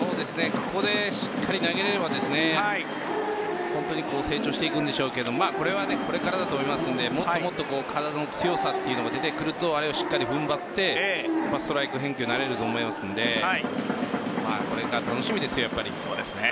ここでしっかり投げられれば本当に成長していくんでしょうけどこれからだと思いますのでもっと体の強さというのが出てくるとしっかり踏ん張ってストライク返球になれると思いますのでこれから楽しみですよね。